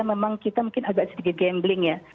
memang kita mungkin agak sedikit gambling ya